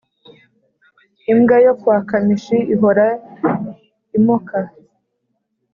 Imbwa yokwakamishi ihora imoka